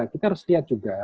kita harus lihat juga